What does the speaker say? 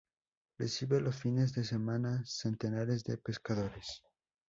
Recibe los fines de semana, centenares de pescadores.